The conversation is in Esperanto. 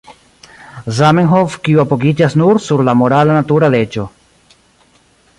Zamenhof, kiu apogiĝas nur sur la morala natura leĝo.